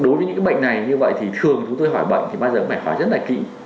đối với những bệnh này như vậy thì thường chúng tôi hỏi bệnh thì bao giờ cũng phải hỏi rất là kỹ